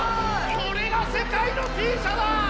これが世界のＴ社だ！